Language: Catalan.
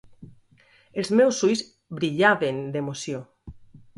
Els meus ulls brillaven d'emoció.